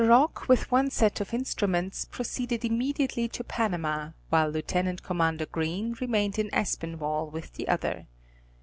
Rock with one set of instruments proceeded immediately to Panama, while Lieut. Commander Green remained in Aspinwall with the other.